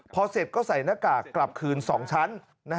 พอเสร็จก็ใส่หน้ากากกลับคืน๒ชั้น